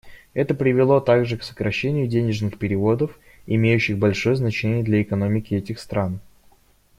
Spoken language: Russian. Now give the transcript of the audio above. Это привело также к сокращению денежных переводов, имеющих большое значение для экономики этих стран.